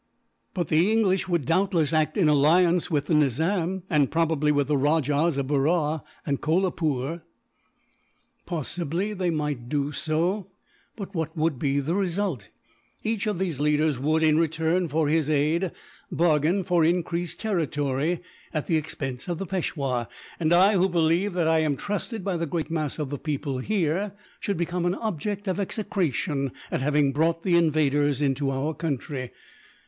"But the English would doubtless act in alliance with the Nizam, and probably with the Rajahs of Berar and Kolapoore." "Possibly they might do so, but what would be the result? Each of these leaders would, in return for his aid, bargain for increased territory, at the expense of the Peishwa; and I, who believe that I am trusted by the great mass of the people here, should become an object of execration at having brought the invaders into our country.